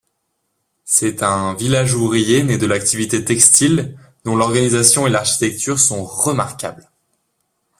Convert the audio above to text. C'est un village ouvrier né de l'activité textile dont l'organisation et l'architecture sont remarquables.